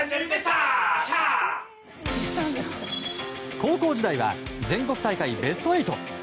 高校時代は全国大会ベスト８。